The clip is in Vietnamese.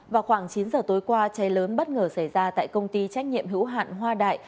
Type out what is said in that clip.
vào khoảng chín giờ tối qua cháy lớn bất ngờ xảy ra tại công ty trách nhiệm hữu hạn hoa đại